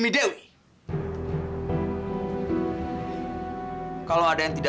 dan semoga berhasil